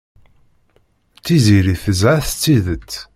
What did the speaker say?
Tiziri tezha s tidet.